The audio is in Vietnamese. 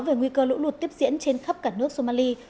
về nguy cơ lũ lụt tiếp diễn trên khắp cả nước somali